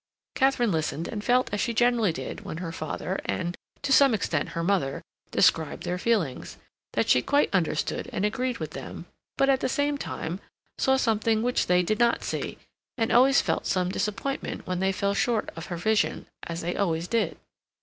Katharine listened and felt as she generally did when her father, and to some extent her mother, described their feelings, that she quite understood and agreed with them, but, at the same time, saw something which they did not see, and always felt some disappointment when they fell short of her vision, as they always did.